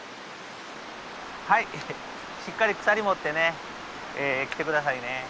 はいしっかり鎖持ってね来て下さいね。